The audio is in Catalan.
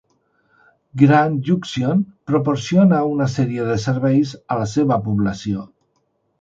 Grand Junction proporciona una sèrie de serveis a la seva població.